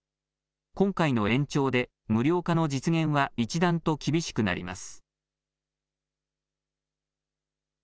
今回の延長で無料化の実現は一段と厳しくなります。